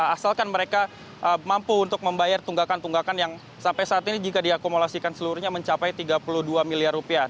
asalkan mereka mampu untuk membayar tunggakan tunggakan yang sampai saat ini jika diakumulasikan seluruhnya mencapai tiga puluh dua miliar rupiah